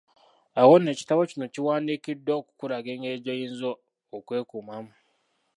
Awo nno ekitabo kino kiwandikiddwa okukulaga engeri gy'oyinza okwekuumamu.